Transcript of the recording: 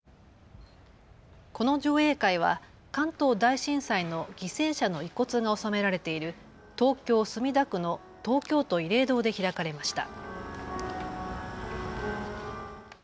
この上映会は関東大震災の犠牲者の遺骨が納められている東京墨田区の東京都慰霊堂で開かれました。